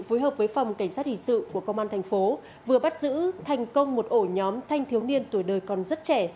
phối hợp với phòng cảnh sát hình sự của công an thành phố vừa bắt giữ thành công một ổ nhóm thanh thiếu niên tuổi đời còn rất trẻ